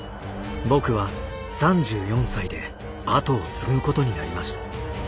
僕は３４歳で後を継ぐことになりました。